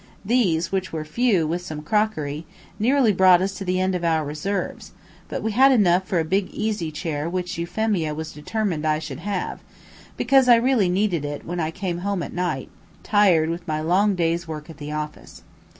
These, which were few, with some crockery, nearly brought us to the end of our resources, but we had enough for a big easy chair which Euphemia was determined I should have, because I really needed it when I came home at night, tired with my long day's work at the office.